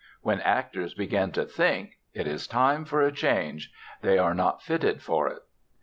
When actors begin to think, it is time for a change. They are not fitted for it.